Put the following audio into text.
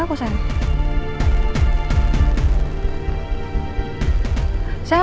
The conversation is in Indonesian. aku habis ketemu temen aku sayang